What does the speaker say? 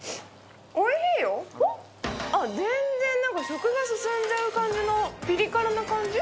全然なんか、食が進んじゃう感じの、ピリ辛な感じ。